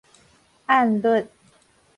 按律